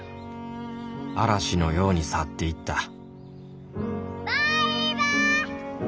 嵐のように去っていったバイバイ！